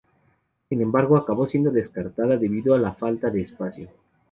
Sin Embargo, acabó siendo descartada debido a la falta de espacio.